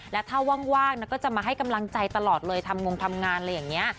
และถ้าว่างก็จะมาให้กำลังใจตลอดเลยทำงงทำงานอะไรอย่างนี้